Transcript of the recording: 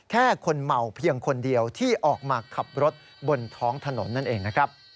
แค่คนเมาเพียงคนเดียวที่ออกมาขับรถบนท้องถนนนั่นเองนะครับ